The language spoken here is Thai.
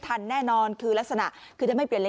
นี่นี่นี่นี่นี่นี่นี่นี่นี่นี่